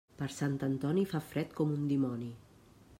Per Sant Antoni, fa fred com un dimoni.